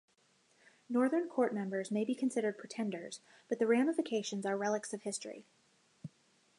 Northern Court members may be considered pretenders, but the ramifications are relics of history.